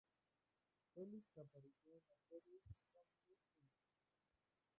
Felix apareció en la serie "Comedy Inc.